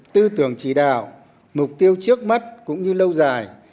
tư tưởng chỉ đạo mục tiêu trước mắt cũng như lâu dài